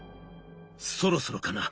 「そろそろかな」。